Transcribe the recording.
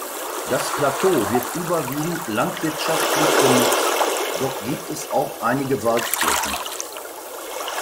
Das Plateau wird überwiegend landwirtschaftlich genutzt, doch gibt es auch einige Waldflächen.